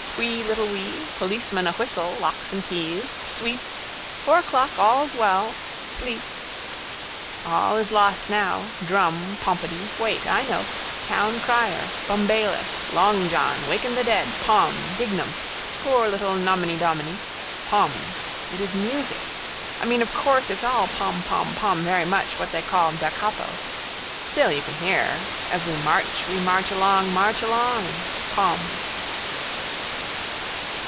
Pwee little wee. Policeman a whistle. Locks and keys! Sweep! Four o'clock's all's well! Sleep! All is lost now. Drum? Pompedy. Wait. I know. Towncrier, bumbailiff. Long John. Waken the dead. Pom. Dignam. Poor little nominedomine. Pom. It is music. I mean of course it's all pom pom pom very much what they call da capo. Still you can hear. As we march, we march along, march along. Pom.